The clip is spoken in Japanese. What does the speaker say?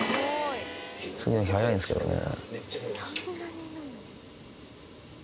次の日早いんですけどね。